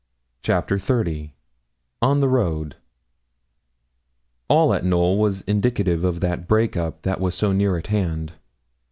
CHAPTER XXX ON THE ROAD All at Knowl was indicative of the break up that was so near at hand.